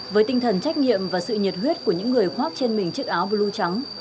với tinh thần trách nhiệm và sự nhiệt huyết của những người khoác trên mình chiếc áo blue trắng